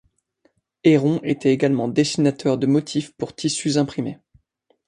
Heron était également dessinateur de motifs pour tissus imprimés.